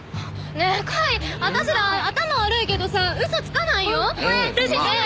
ねえ甲斐私ら頭悪いけどさ嘘つかないよ。